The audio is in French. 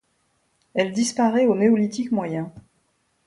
Elle disparaît au Néolithique moyen.